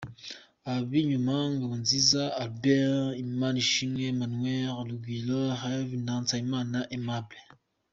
Ab’Inyuma: Ngabonziza Albert, Imanishimwe Emmanuel, Rugwiro Herve na Nsabimana Aimable.